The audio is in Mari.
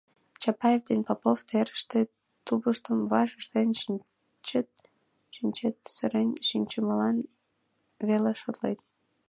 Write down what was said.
Чапаев ден Попов терыште тупыштым ваш ыштен шинчат, сырен шинчымылан веле шотлет.